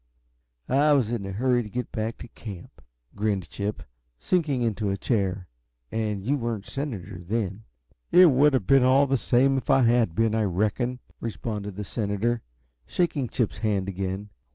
"I was in a hurry to get back to camp," grinned Chip, sinking into a chair. "And you weren't a senator then." "It would have been all the same if I had been, I reckon," responded the senator, shaking Chip's hand again.